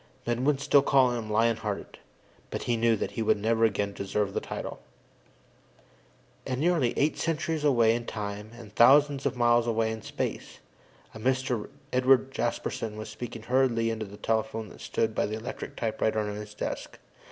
Men would still call him "Lion hearted," but he knew that he would never again deserve the title. And, nearly eight centuries away in time and thousands of miles away in space, a Mr. Edward Jasperson was speaking hurriedly into the telephone that stood by the electric typewriter on his desk.